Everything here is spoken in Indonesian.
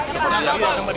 seperti yang ini